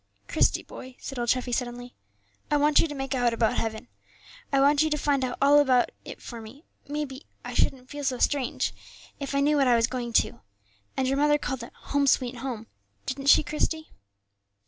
"Christie, boy," said old Treffy, suddenly, "I want you to make out about heaven, I want you to find out all about it for me; maybe, I shouldn't feel so strange there if I knew what I was going to; and your mother called it 'Home, sweet home,' didn't she, Christie?"